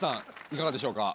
いかがでしょうか？